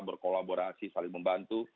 berkolaborasi saling membantu